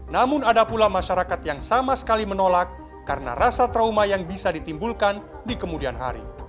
namun ada pula masyarakat yang sama sekali menolak karena rasa trauma yang bisa ditimbulkan di kemudian hari